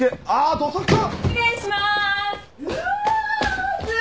失礼します！